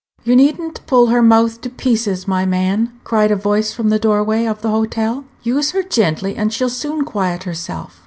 "You need n't pull her mouth to pieces, my man," cried a voice from the doorway of the hotel; "use her gently, and she'll soon quiet herself.